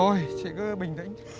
rồi chị cứ bình tĩnh